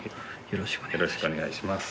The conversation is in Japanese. よろしくお願いします。